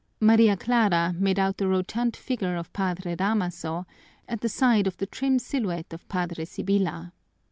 Maria Clara made out the rotund figure of Padre Damaso at the side of the trim silhouette of Padre Sibyla.